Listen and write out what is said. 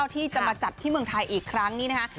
ที่จะมาจัดที่เมืองไทยอีกครั้งนี้นะคะ